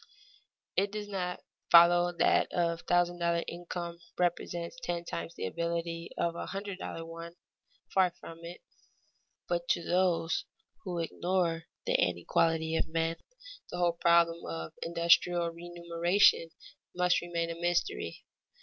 It does not follow that a thousand dollar income represents ten times the ability of a hundred dollar one far from it. But to those who ignore the inequality of men, the whole problem of industrial remuneration must remain a mystery.